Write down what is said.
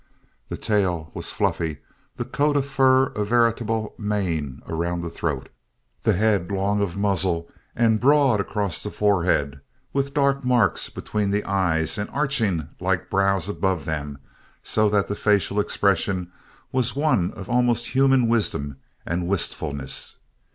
The tail was fluffy, the coat of fur a veritable mane around the throat, the head long of muzzle and broad across the forehead with dark marks between the eyes and arching like brows above them so that the facial expression was one of almost human wisdom and wistfulness.